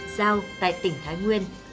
giao tại tỉnh thái nguyên